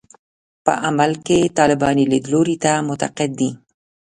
په عمل کې طالباني لیدلوري ته معتقد دي.